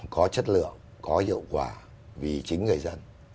có chất lượng có hiệu quả vì chính người dân